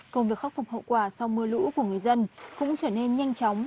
công việc khắc phục hậu quả sau mưa lũ của người dân cũng trở nên nhanh chóng